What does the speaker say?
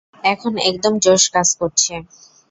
এখন একদম জোশ কাজ করছে!